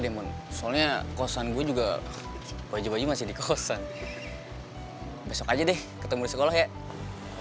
demon soalnya kosan gue juga baju baju masih di kosan besok aja deh ketemu di sekolah ya